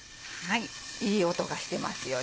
いい音がしてますよね。